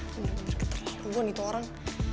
bener bener keterlaluan itu orang